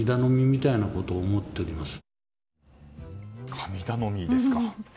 神頼みですか。